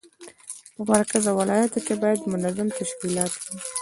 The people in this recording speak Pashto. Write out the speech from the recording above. په مرکز او ولایاتو کې باید منظم تشکیلات وي.